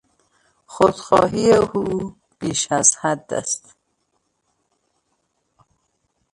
خودخواهی او بیش از حد است.